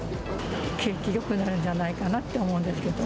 景気よくなるんじゃないかなと思うんですけど。